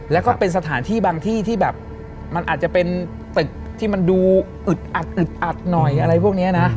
และก็เป็นสถานที่บ้างที่อาจจะเป็นตึกที่มันดูอืดอัด